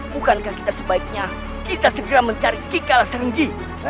bukankah kita sebaiknya kita segera mencari kikala serenggi